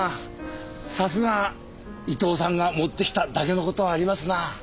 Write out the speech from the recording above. さすが伊藤さんが持ってきただけの事はありますな。